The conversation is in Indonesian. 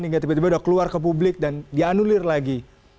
hingga tiba tiba udah keluar ke publik dan dianulir lagi